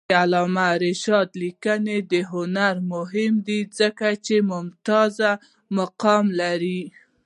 د علامه رشاد لیکنی هنر مهم دی ځکه چې ممتاز مقام لري.